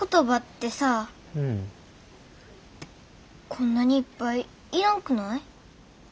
こんなにいっぱい要らんくない？